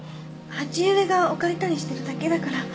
鉢植えが置かれたりしてるだけだから。